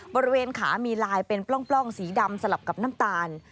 บริเวณขามีลายเป็นปล้องสีดำสลับกับน้ำตาล